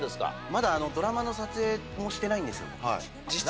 まだドラマの撮影もしてないんですよ。